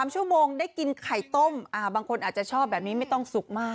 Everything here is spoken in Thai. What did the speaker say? ๓ชั่วโมงได้กินไข่ต้มบางคนอาจจะชอบแบบนี้ไม่ต้องสุกมาก